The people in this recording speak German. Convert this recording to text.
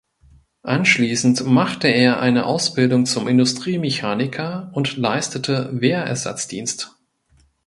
Anschließend machte er eine Ausbildung zum Industriemechaniker und leistete Wehrersatzdienst.